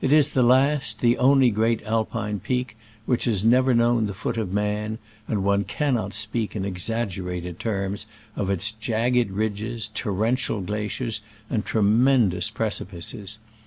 is the last, the only, great Alpine peak which has never known the foot of man, • and one cannot speak in exaggerated terms of its jagged ridges, torrential gla ciers and tremendous precipices.